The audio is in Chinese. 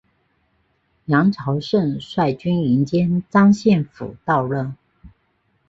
杨朝晟率军迎接张献甫到任。